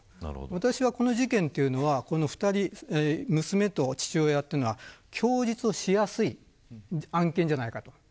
私はこの事件は娘と父親というのは供述をしやすい案件じゃないかなと。